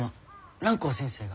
蘭光先生が。